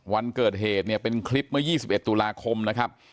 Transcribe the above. วันเกิดเหตุเนี่ยเป็นคลิปเมื่อ๒๑ตุลาคมนะครับ